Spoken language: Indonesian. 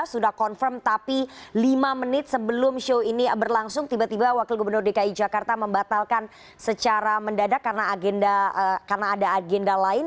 sudah confirm tapi lima menit sebelum show ini berlangsung tiba tiba wakil gubernur dki jakarta membatalkan secara mendadak karena ada agenda lain